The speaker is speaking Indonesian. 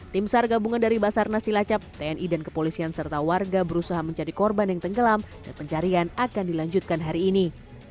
tim sar gabungan dari basarnas cilacap tni dan kepolisian serta warga berusaha mencari korban yang tenggelam dan pencarian akan dilanjutkan hari ini